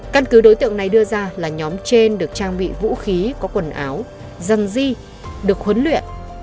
căn cứ đối tượng này đưa ra là nhóm trên được trang bị vũ khí có quần áo dân di được huấn luyện